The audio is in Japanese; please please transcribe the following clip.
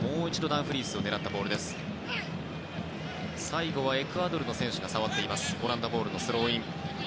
最後はエクアドルの選手が触ってオランダボールのスローイン。